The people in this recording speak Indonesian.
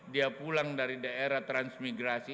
dia pulang dari daerah transmigrasi